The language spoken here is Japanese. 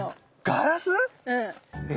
ガラス？え⁉